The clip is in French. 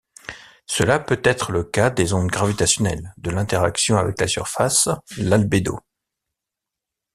Cela peut-être le cas des ondes gravitationnelles, de l'interaction avec la surface, l'albédo...